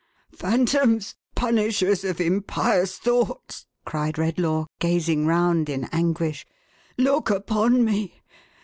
" Phantoms ! Punishers of impious thoughts !" cried Red law, gazing round in anguish. " Look upon me